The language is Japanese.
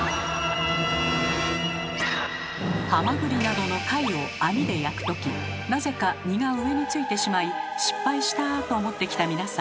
ハマグリなどの貝を網で焼くときなぜか身が上についてしまい「失敗した！」と思ってきた皆さん。